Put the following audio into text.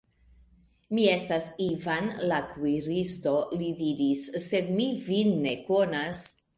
Mi estas Ivan, la kuiristo, li diris, sed mi vin ne konas.